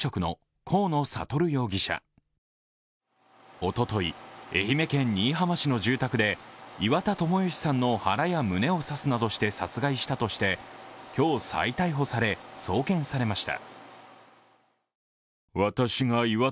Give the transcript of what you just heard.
おととい、愛媛県新居浜市の住宅で岩田友義さんの腹や胸を刺すなどして殺害したとして今日再逮捕され、送検されました。